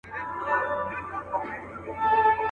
زما په شان سي څوک آواز پورته کولای.